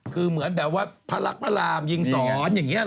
คือเหมือนแบบว่าพระรักพระรามยิงสอนอย่างนี้ห